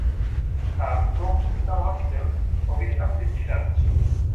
তার প্র-পিতামহ ছিলেন অভিনেতা পৃথ্বীরাজ।